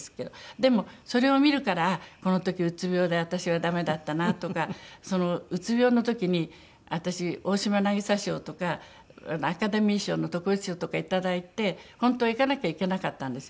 でもそれを見るからああこの時うつ病で私はダメだったなとかうつ病の時に私大島渚賞とかアカデミー賞の特別賞とかいただいて本当は行かなきゃいけなかったんですよ。